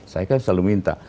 saya kan selalu minta